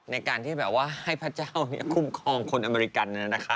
ในการที่แบบว่าให้พระเจ้าคุ้มครองคนอเมริกัน